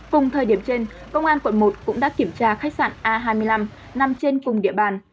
cùng thời điểm trên công an quận một cũng đã kiểm tra khách sạn a hai mươi năm nằm trên cùng địa bàn